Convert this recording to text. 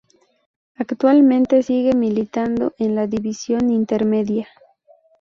Actualmente sigue militando en la División Intermedia.